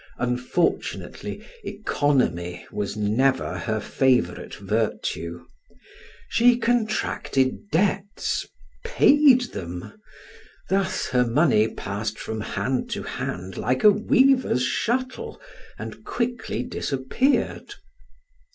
Unfortunately, economy was never her favorite virtue; she contracted debts paid them thus her money passed from hand to hand like a weaver's shuttle, and quickly disappeared.